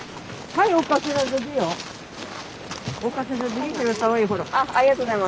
はい。